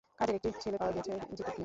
কাজের একটি ছেলে পাওয়া গেছে-জিতু মিয়া।